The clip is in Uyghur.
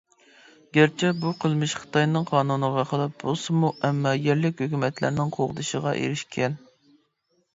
گەرچە بۇ قىلمىش خىتاينىڭ قانۇنىغا خىلاپ بولسىمۇ، ئەمما يەرلىك ھۆكۈمەتلەرنىڭ قوغدىشىغا ئېرىشكەن.